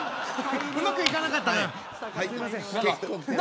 うまくいかなかったな。